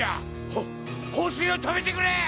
ほ放水を止めてくれ！！